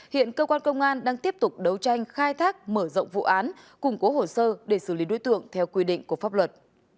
hiện cơ quan công an đang tiếp tục đấu tranh khai thác mở rộng vụ án củng cố hồ sơ để xử lý đối tượng theo quy định của pháp luật